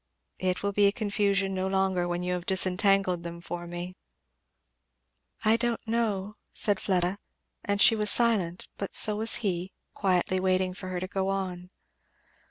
"It will be a confusion no longer when you have disentangled them for me." "I don't know " said Fleda. And she was silent, but so was he, quietly waiting for her to go on.